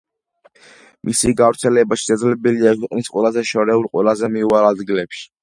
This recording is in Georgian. მისი გავრცელება შესაძლებელია ქვეყნის ყველაზე შორეულ, ყველაზე მიუვალ ადგილებში.